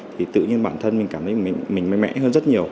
thì tự nhiên bản thân mình cảm thấy mình may mẽ hơn rất nhiều